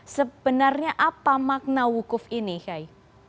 sebenarnya apa makna hukuf ini